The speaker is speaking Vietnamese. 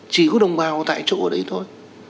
chỉ có đồng bào tại chỗ ở đấy thôi